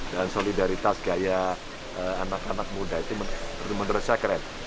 dan solidaritas gaya anak anak muda itu menurut saya keren